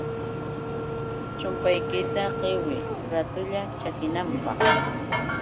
chumpaykita qiwiy raatulla chakinanpaq.